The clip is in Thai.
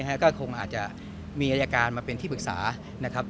ก็คงอาจจะมีอายการมาเป็นที่ปรึกษานะครับ